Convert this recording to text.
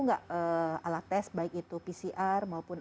enggak alat tes baik itu pcr maupun